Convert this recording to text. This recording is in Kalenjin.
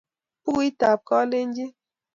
Bukuit ap Kalenjin.